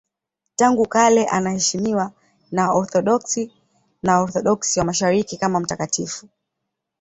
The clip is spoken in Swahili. Tangu kale anaheshimiwa na Waorthodoksi na Waorthodoksi wa Mashariki kama mtakatifu.